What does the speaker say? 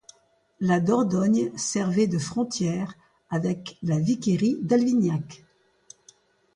La Dordogne servait de frontière avec la vicairie d'Alvignac.